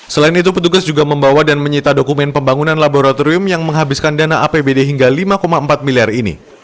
selain itu petugas juga membawa dan menyita dokumen pembangunan laboratorium yang menghabiskan dana apbd hingga lima empat miliar ini